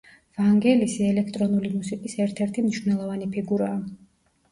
ვანგელისი ელექტრონული მუსიკის ერთ-ერთი მნიშვნელოვანი ფიგურაა.